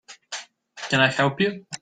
Can I help you?